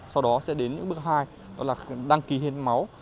sau đó sẽ đến những bước hai đó là đăng ký hiến máu